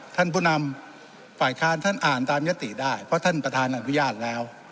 ท่านผู้นำฝ่ายค้านท่านอ่านตามยติได้เพราะท่านประธานอนุญาตแล้ว